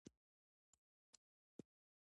د جبل السراج سمنټ مشهور دي